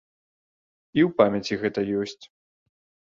І ў памяці гэта ёсць.